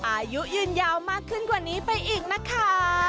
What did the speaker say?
อายุยืนยาวมากขึ้นกว่านี้ไปอีกนะคะ